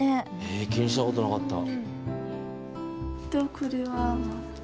え気にしたことなかった。